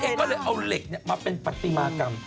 เองก็เลยเอาเหล็กมาเป็นปฏิมากรรม